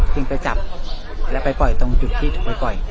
จึงไปจับแล้วไปปล่อยตรงจุดที่ถูกไปปล่อย